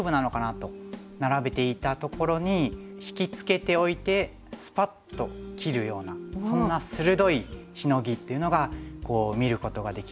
と並べていたところに引きつけておいてスパッと切るようなそんな鋭いシノギっていうのが見ることができるので。